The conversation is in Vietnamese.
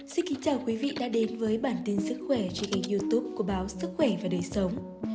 xin kính chào quý vị đã đến với bản tin sức khỏe trên youtube của báo sức khỏe và đời sống